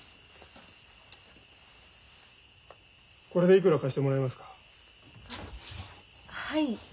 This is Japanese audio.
これでいくら貸してもらえますか？